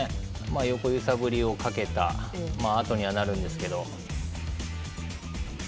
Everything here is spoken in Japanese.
横に揺さぶりをかけたあとになるんですけど。